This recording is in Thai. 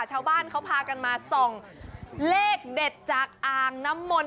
ชาวบ้านเขาพากันมาส่องเลขเด็ดจากอ่างน้ำมนต